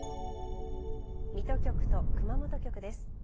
水戸局と熊本局です。